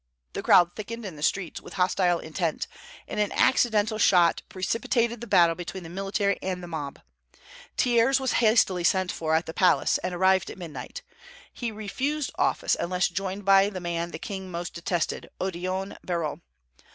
The crowd thickened in the streets, with hostile intent, and an accidental shot precipitated the battle between the military and the mob. Thiers was hastily sent for at the palace, and arrived at midnight. He refused office unless joined by the man the king most detested, Odillon Barrot.